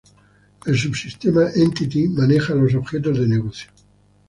El subsistema entity maneja los objetos de negocio.